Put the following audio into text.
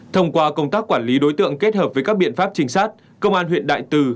thông qua công tác quản lý đối tượng kết hợp với các biện pháp trinh sát công an huyện đại từ